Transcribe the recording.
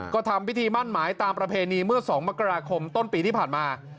ก็ทำพิธีมั่นหมายตามประเพณีเมื่อ๒มกราคมต้นปีที่ผ่านมา